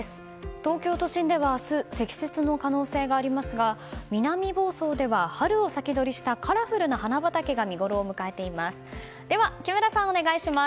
東京都心では明日積雪の可能性がありますが南房総では春を先取りしたカラフルな花畑が見ごろを迎えています。